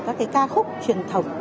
các cái ca khúc truyền thống